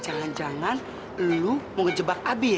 jangan jangan lo mau ngejebak ani ya